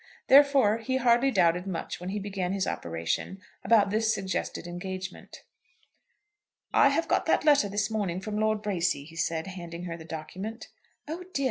Therefore he hardly doubted much when he began his operation about this suggested engagement. "I have got that letter this morning from Lord Bracy," he said, handing her the document. "Oh dear!